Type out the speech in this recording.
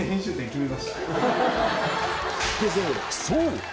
そう